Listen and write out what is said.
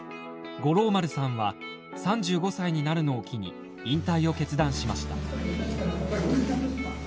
五郎丸さんは３５歳になるのを機に引退を決断しました。